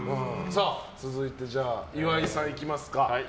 続いて、岩井さんいきますか。